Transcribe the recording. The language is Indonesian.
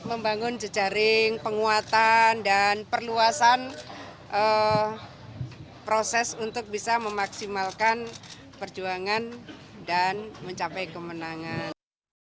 membangun jejaring penguatan dan perluasan proses untuk bisa memaksimalkan perjuangan dan mencapai kemenangan